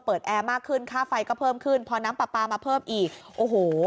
แอร์มากขึ้นค่าไฟก็เพิ่มขึ้นพอน้ำปลาปลามาเพิ่มอีกโอ้โห